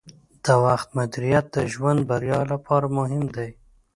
د وخت مدیریت د ژوند بریا لپاره مهم دی.